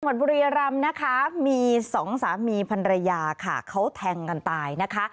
บุรีรำนะคะมีสองสามีพันรยาค่ะเขาแทงกันตายนะคะ